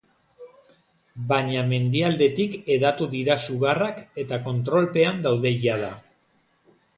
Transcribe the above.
Baina mendialdetik hedatu dira sugarrak eta kontrolpean daude jada.